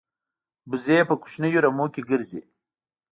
وزې په کوچنیو رمو کې ګرځي